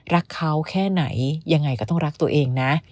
รักเขาแค่ไหนยังไงก็ต้องรักตัวเองนะ